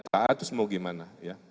terus mau gimana